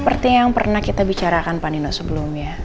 seperti yang pernah kita bicarakan pak nino sebelumnya